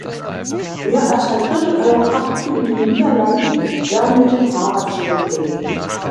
Mehr als ein Viertel aller Fahrten in den Niederlanden werden mit dem Fahrrad zurückgelegt.